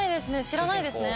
知らないですね。